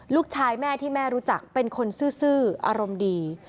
ลูกชายแม่ที่แม่รู้จักเป็นคนซื่ออารมณ์ดี